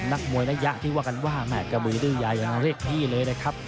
นักมวยระยะที่ว่ากันว่าแม่กระบือดื้อยาวเรียกพี่เลยนะครับ